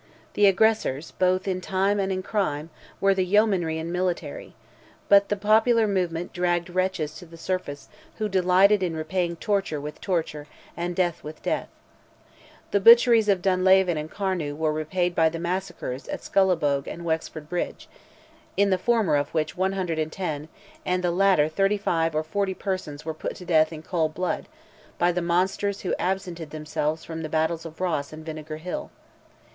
The aggressors, both in time and in crime were the yeomanry and military; but the popular movement dragged wretches to the surface who delighted in repaying torture with torture, and death with death. The butcheries of Dunlavin and Carnew were repaid by the massacres at Scullabogue and Wexford bridge, in the former of which 110, and in the latter 35 or 40 persons were put to death in cold blood, by the monsters who absented themselves from the battles of Ross and Vinegar Hill.